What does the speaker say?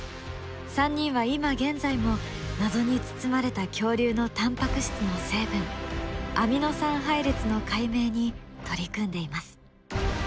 ３人は今現在も謎に包まれた恐竜のタンパク質の成分アミノ酸配列の解明に取り組んでいます。